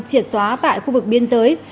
triệt xóa tại khu vực biên giới